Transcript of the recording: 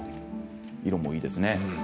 色もいいですね。